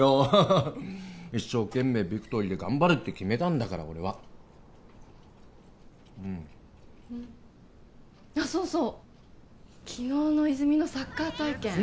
ハハハッ一生懸命ビクトリーで頑張るって決めたんだから俺はうんあっそうそう昨日の泉実のサッカー体験